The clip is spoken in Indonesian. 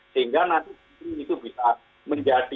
sehingga nanti itu bisa menjadi